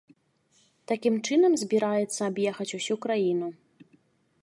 Такім чынам збіраецца аб'ехаць усю краіну.